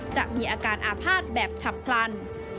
จะมีอาการอาภาษณ์แบบฉับพลัน